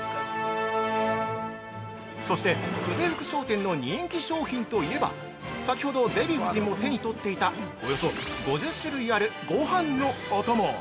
そして、久世福商店の人気商品といえば先ほど、デヴィ夫人も手に取っていたおよそ５０種類あるごはんのお供。